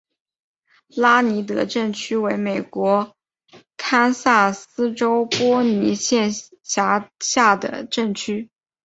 拉尼德镇区为美国堪萨斯州波尼县辖下的镇区。